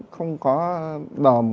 không có bòm